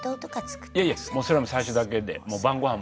いやいやもうそれは最初だけで晩ごはん晩ごはんばっかり。